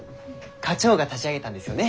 課長が立ち上げたんですよね